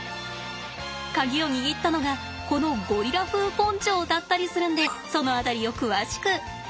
鍵を握ったのがこのゴリラ風ポンチョだったりするんでその辺りを詳しく。